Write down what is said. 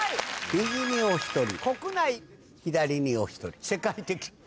右にお１人国内左にお１人世界的。